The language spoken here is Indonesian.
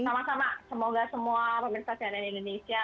sama sama semoga semua pemerintah channel indonesia